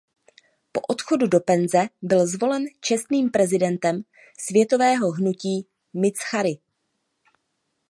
Po odchodu do penze byl zvolen čestným prezidentem světového hnutí Mizrachi.